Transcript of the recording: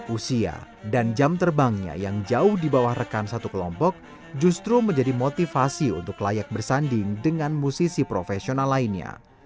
usia dan jam terbangnya yang jauh di bawah rekan satu kelompok justru menjadi motivasi untuk layak bersanding dengan musisi profesional lainnya